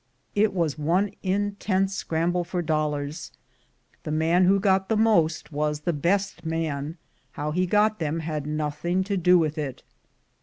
It was one intense scramble for dollars — the man who got most was the best man — how he got them had nothing to do with it.